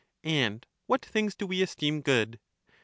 And what things do we esteem good?